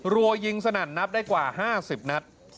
รัวยิงสนั่นนับได้กว่า๕๐นัด